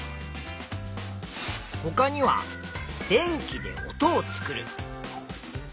ほかには「電気で音を作る」。